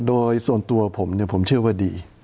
โดยส่วนตัวผมผมเชื่อว่าดี